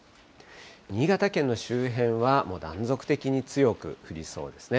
新潟県の周辺は断続的に強く降りそうですね。